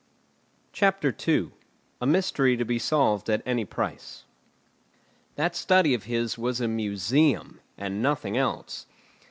CHAPTER II. A MYSTERY TO BE SOLVED AT ANY PRICE That study of his was a museum, and nothing else.